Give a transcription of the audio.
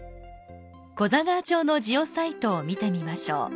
古座川町のジオサイトを見てみましょう。